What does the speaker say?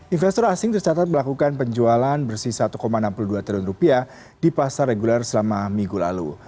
investor asing tercatat melakukan penjualan bersih satu enam puluh dua triliun di pasar reguler selama minggu lalu